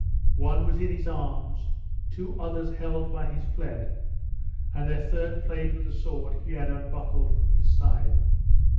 One was in his arms, two others held by his plaid, and a third played with the sword he had unbuckled from his side.